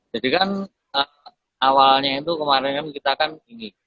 jadi kan awalnya itu kemarin kita kan ini